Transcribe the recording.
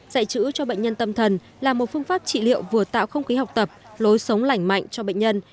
dạy chữ cho bệnh nhân tâm thần là một phương pháp trị liệu vừa tạo không khí học tập lối sống lành mạnh cho bệnh nhân